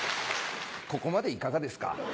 ここまでいかがですか？